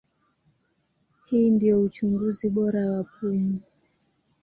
Hii ndio uchunguzi bora wa pumu.